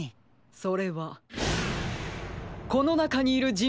それはこのなかにいるじんぶつです。